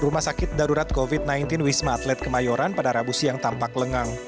rumah sakit darurat covid sembilan belas wisma atlet kemayoran pada rabu siang tampak lengang